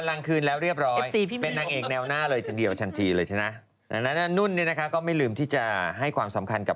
อ่าฮะทำไมรู้เปล่า